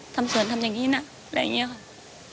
ทำเฉินทำอย่างนี้นะและอย่างนี้